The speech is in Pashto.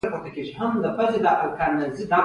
سړک د پوهې لار هم بلل کېږي.